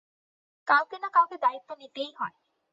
কাউকে না কাউকে দায়িত্ব নিতেই হয়।